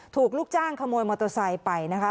ลูกจ้างขโมยมอเตอร์ไซค์ไปนะคะ